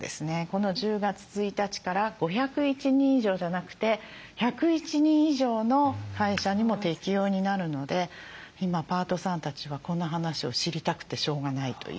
この１０月１日から５０１人以上じゃなくて１０１人以上の会社にも適用になるので今パートさんたちはこの話を知りたくてしょうがないという。